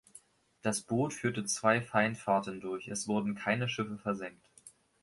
Das Boot führte zwei Feindfahrten durch; es wurden keine Schiffe versenkt.